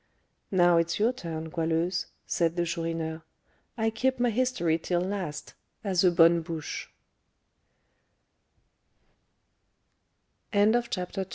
"Now it's your turn, Goualeuse," said the Chourineur; "I keep my history till last, as a bonne bouche." CHAPTER III.